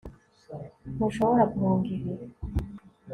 Ntushobora guhunga ibi